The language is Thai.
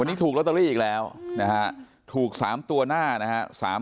วันนี้ถูกลอตเตอรี่อีกแล้วนะฮะถูก๓ตัวหน้านะฮะ